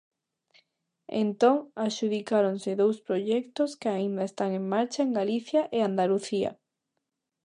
Entón adxudicáronse dous proxectos que aínda están en marcha en Galicia e Andalucía.